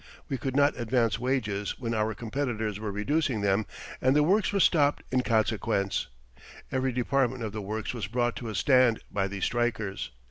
We could not advance wages when our competitors were reducing them, and the works were stopped in consequence. Every department of the works was brought to a stand by these strikers.